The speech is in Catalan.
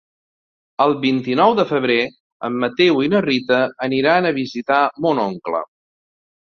El vint-i-nou de febrer en Mateu i na Rita aniran a visitar mon oncle.